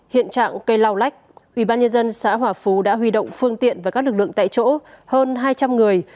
hiện trạng cây lau lách ubnd xã hòa phú đã huy động phương tiện và các lực lượng tại chỗ hơn hai trăm linh người